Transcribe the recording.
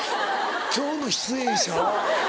「今日の出演者は」。